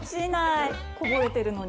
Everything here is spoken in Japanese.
こぼれてるのに。